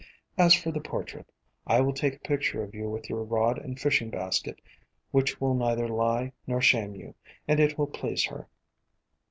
As for the portrait, I will take a picture of you with your rod and fishing basket which will neither lie A COMPOSITE FAMILY 267 nor shame you, and it will please her.